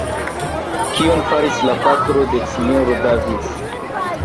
Kion faris la patro de S-ro Davis?